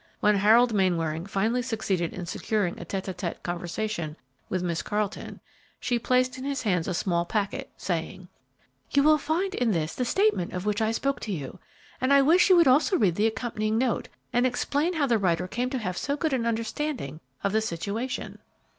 When Harold Mainwaring finally succeeded in securing a tete a tete conversation with Miss Carleton, she placed in his hands a small packet, saying, "You will find in this the statement of which I spoke to you, and I wish you would also read the accompanying note, and explain how the writer came to have so good an understanding of the situation."